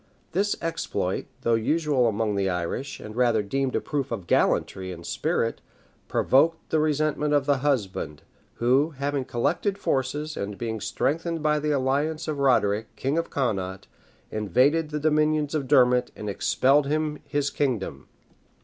[] This exploit, though usual among the Irish, and rather deemed a proof of gallantry and spirit,[] provoked the resentment of the husband; who, having collected forces, and being strengthened by the alliance of Roderic, king of Connaught, invaded the dominions of Dermot, and expelled him his kingdom.